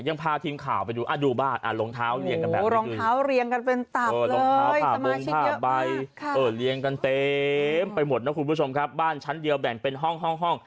ยังพาทีมข่าวไปดูอัดดุบาลโรงเท้าเทเป็นเต็ม